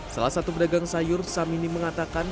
salah satu pedagang sayur samini mengatakan